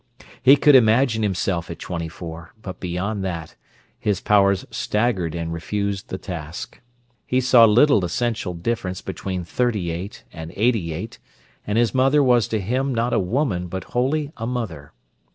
He could imagine himself at twenty four, but beyond that, his powers staggered and refused the task. He saw little essential difference between thirty eight and eighty eight, and his mother was to him not a woman but wholly a mother.